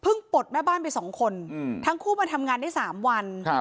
ปลดแม่บ้านไปสองคนทั้งคู่มาทำงานได้๓วัน